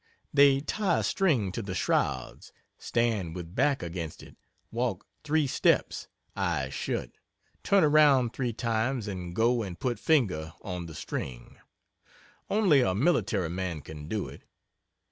They tie a string to the shrouds stand with back against it walk three steps (eyes shut) turn around three times and go and put finger on the string; only a military man can do it.